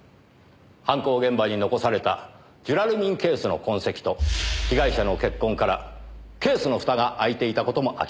犯行現場に残されたジュラルミンケースの痕跡と被害者の血痕からケースの蓋が開いていた事も明らかです。